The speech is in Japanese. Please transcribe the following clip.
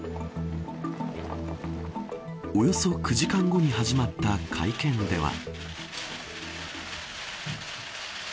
およそ９時間後に始まった会見では。